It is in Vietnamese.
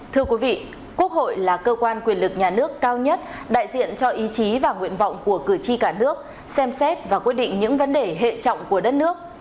thưa quý vị quốc hội là cơ quan quyền lực nhà nước cao nhất đại diện cho ý chí và nguyện vọng của cử tri cả nước xem xét và quyết định những vấn đề hệ trọng của đất nước